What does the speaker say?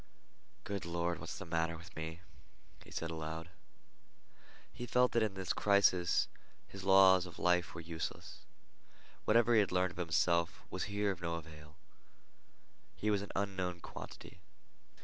"Good Lord, what's th' matter with me?" he said aloud. He felt that in this crisis his laws of life were useless. Whatever he had learned of himself was here of no avail. He was an unknown quantity.